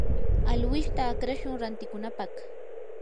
alwishta akrashun rantikunapaq.